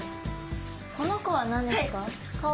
この子は何ですか？